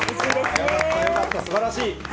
よかった、よかった、すばらしい。